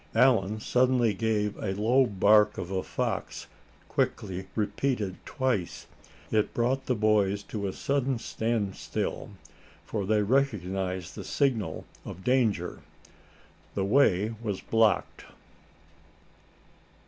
Allan suddenly gave the low bark of a fox, quickly repeated twice. It brought the boys to a sudden standstill, for they recognized the signal of danger. The way was blocked!